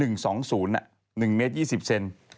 ๑๒๐น่ะ๑เมตร๒๐เซน